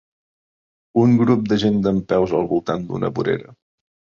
Un grup de gent dempeus al voltant d'una vorera.